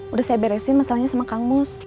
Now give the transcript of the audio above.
udah saya beresin masalahnya sama kang mus